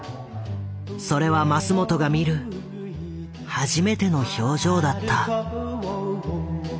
それはマスモトが見る初めての表情だった。